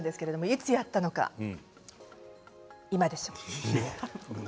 いつやるのか、今でしょ。